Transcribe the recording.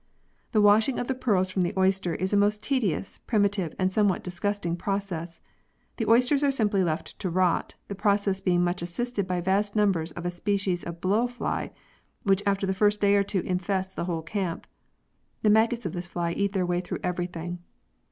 The washing of the pearls from the oysters is a most tedious, primitive, and somewhat disgusting process. The oysters are simply left to rot, the process being much assisted by vast numbers of a species of blow fly, which after the first day or two infests the whole camp. The maggots of this fly eat their way through everything.